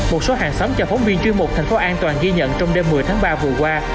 một số hàng xóm cho phóng viên chuyên mục thành phố an toàn ghi nhận trong đêm một mươi tháng ba vừa qua